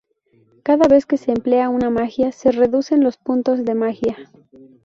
Cada vez que se emplea una magia, se reducen los puntos de magia.